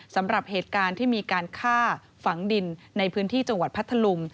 สำหรับเหตุการณ์ที่มีการฆ่าฝังดินในพื้นที่จังหวัดพัทธลุง